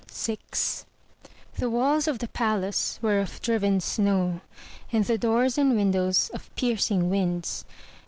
VI The walls of the palace were of driven snow; and the doors and windows of piercing winds.